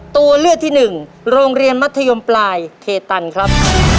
ตัวเลือกที่หนึ่งโรงเรียนมัธยมปลายเคตันครับ